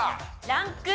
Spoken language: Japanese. ランク２。